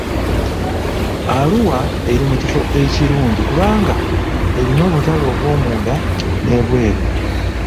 Arua eri mu kifo ekirungi kubanga erina obutale obwomunda n'ebweru.